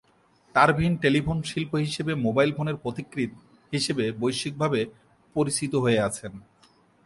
তারবিহীন telephone শিল্প হিসেবে mobile ফোনের পথিকৃৎ হিসেবে বৈশ্বিকভাবে পরিচিত হয়ে আছেন।